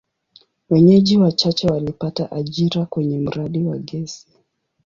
Wenyeji wachache walipata ajira kwenye mradi wa gesi.